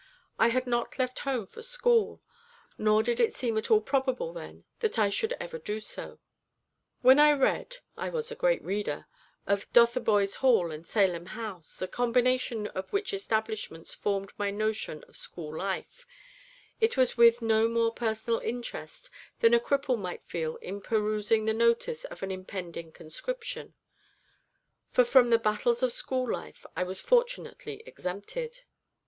I had not left home for school, nor did it seem at all probable then that I should ever do so. When I read (I was a great reader) of Dotheboys Hall and Salem House a combination of which establishments formed my notion of school life it was with no more personal interest than a cripple might feel in perusing the notice of an impending conscription; for from the battles of school life I was fortunately exempted.